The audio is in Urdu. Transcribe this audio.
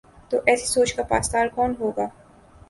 تو ایسی سوچ کا پاسدار کون ہو گا؟